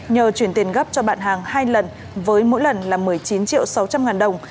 nhờ chuyển tiền gấp cho bạn hàng hai lần với mỗi lần là một mươi chín triệu sáu trăm linh ngàn đồng